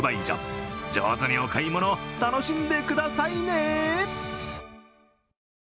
上手にお買い物を楽しんでくださいね。